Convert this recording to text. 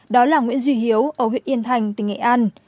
đó là nguyễn duy hiếu ở huyện yên thành tỉnh nghệ an